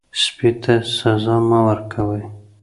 سپي ته سزا مه ورکوئ.